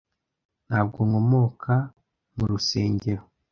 ntabwo nkomoka mu rusengero